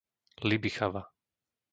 Libichava